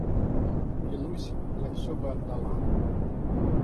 Клянусь, я все бы отдала.